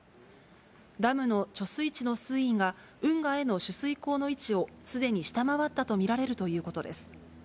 ダムの貯水池の水位が、運河への取水口の位置をすでに下回ったとみられるということです。